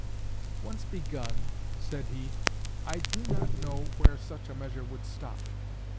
'Once begun,' said he, 'I do not know where such a measure would stop.'